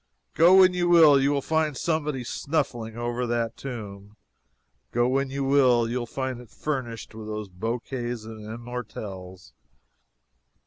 Go when you will, you find somebody snuffling over that tomb. Go when you will, you find it furnished with those bouquets and immortelles.